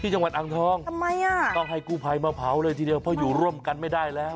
ที่จังหวัดอังทองต้องให้กู้ไภมาเผาเลยทีเดียวเพราะอยู่ร่วมกันไม่ได้แล้ว